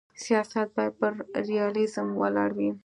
سیاست باید پر ریالیزم ولاړ وي.